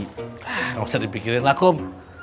hah gak usah dipikirin lah kum